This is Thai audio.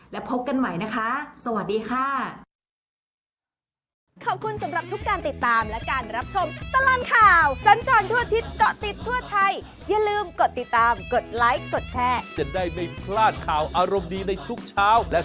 และพบกันใหม่นะคะสวัสดีค่ะ